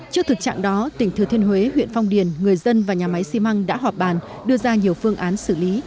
trước thực trạng đó tỉnh thừa thiên huế huyện phong điền người dân và nhà máy xi măng đã họp bàn đưa ra nhiều phương án xử lý